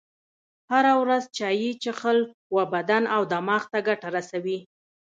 هره ورځ چایی چیښل و بدن او دماغ ته ګټه رسوي.